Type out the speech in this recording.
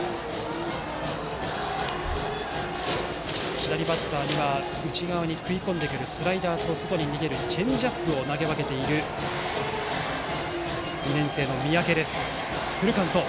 左バッターには、内側に食い込んでくるスライダーと外に逃げるチェンジアップを投げ分けている２年生の三宅です。